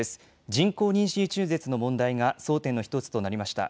人工妊娠中絶の問題が争点の１つとなりました。